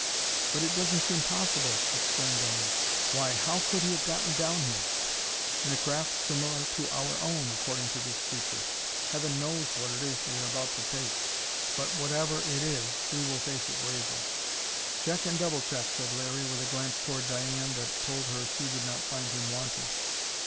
"But it doesn't seem possible!" exclaimed Diane. "Why, how could he have got down here?" "In a craft similar to our own, according to this creature. Heaven knows what it is we are about to face! But whatever it is, we will face it bravely." "Check and double check!" said Larry, with a glance toward Diane that told her she would not find him wanting.